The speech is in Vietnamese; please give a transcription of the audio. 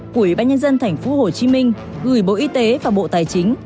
của ủy ban nhân dân tp hcm gửi bộ y tế và bộ tài chính